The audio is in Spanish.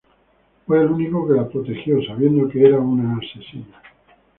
Fue el único que la protegió sabiendo de que era una asesina.